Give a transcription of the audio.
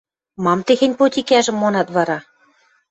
– Мам техень потикӓжӹм монат вара?